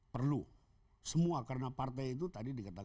perlu semua karena partai itu tadi dikatakan